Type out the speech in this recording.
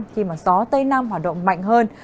khi gió tây nam hoạt động mạnh hơn